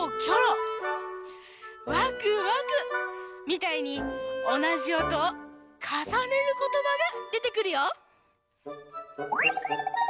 みたいにおなじおとをかさねることばがでてくるよ。